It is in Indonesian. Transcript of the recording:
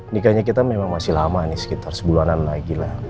nikahnya kita memang masih lama nih sekitar sebulanan lagi lah